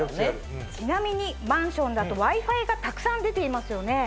ちなみにマンションだとＷｉ−Ｆｉがたくさん出ていますよね。